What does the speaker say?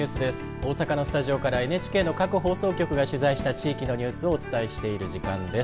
大阪のスタジオからＮＨＫの各放送局が取材した地域のニュースをお伝えしている時間です。